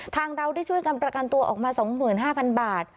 เราได้ช่วยกันประกันตัวออกมา๒๕๐๐๐บาท